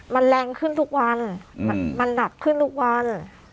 มันแรงขึ้นทุกวันมันหนักขึ้นทุกวัน